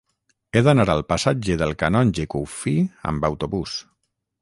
He d'anar al passatge del Canonge Cuffí amb autobús.